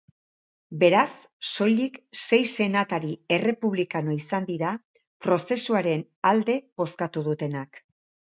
Beraz, soilik sei senatari errepublikano izan dira prozesuaren alde bozkatu dutenak.